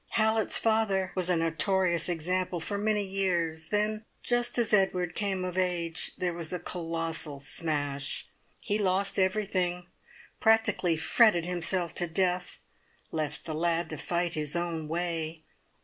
Hallett's father was a notorious example for many years, then just as Edward came of age, there was a colossal smash; he lost everything, practically fretted himself to death, left the lad to fight his own way.